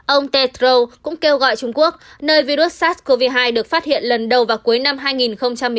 ông ted rowe cũng kêu gọi trung quốc nơi virus sars cov hai được phát hiện lần đầu và cuối năm hai nghìn một mươi chín